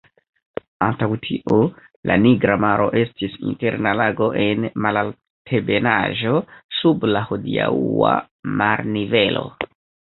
Antaŭ tio la Nigra Maro estis interna lago en malaltebenaĵo, sub la hodiaŭa marnivelo.